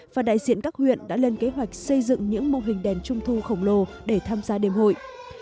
và đại diện các huyện đã lên kế hoạch xây dựng những mô hình đèn trung thu khổng lồ để tham gia đêm hội